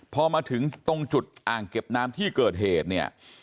พอมาถึงตรงจุดอ่างเก็บน้ำที่เกิดเหตุเนี่ย